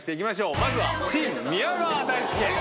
まずはチーム宮川大輔。